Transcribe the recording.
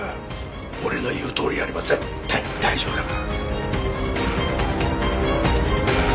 俺の言うとおりやれば絶対に大丈夫だから。